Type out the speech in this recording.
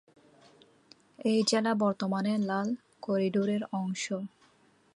এই জেলা বর্তমানে লাল করিডোরের অংশ।